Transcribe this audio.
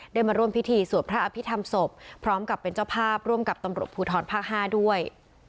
มาร่วมพิธีสวดพระอภิษฐรรมศพพร้อมกับเป็นเจ้าภาพร่วมกับตำรวจภูทรภาค๕ด้วย